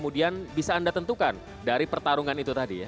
dan bisa anda tentukan dari pertarungan itu tadi ya